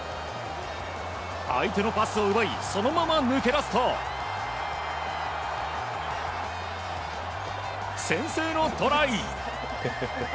相手のパスを奪いそのまま抜け出すと先制のトライ！